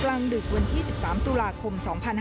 กลางดึกวันที่๑๓ตุลาคม๒๕๕๙